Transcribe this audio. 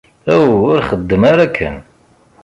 Aw, ur xeddem ara akken!